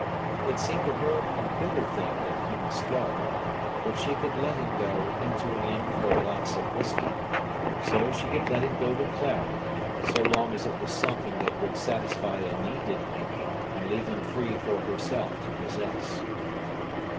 It seemed to her a bitter thing that he must go, but she could let him go into an inn for a glass of whisky, so she could let him go to Clara, so long as it was something that would satisfy a need in him, and leave him free for herself to possess.